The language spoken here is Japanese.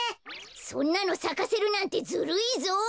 そんなのさかせるなんてずるいぞ！